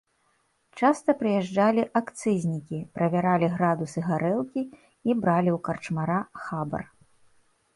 Часта прыязджалі акцызнікі, правяралі градусы гарэлкі і бралі ў карчмара хабар.